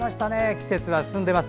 季節は進んでいます。